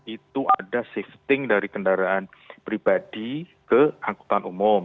itu ada shifting dari kendaraan pribadi ke angkutan umum